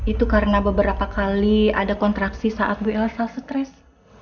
itu karena beberapa kali ada kontraksi saat bu elsa stres